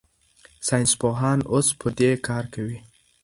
ساینسپوهان اوس پر دې کار کوي.